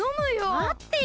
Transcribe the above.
まってよ！